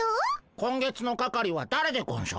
今月の係はだれでゴンショ？